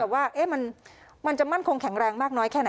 ว่ามันจะมั่นคงแข็งแรงมากน้อยแค่ไหน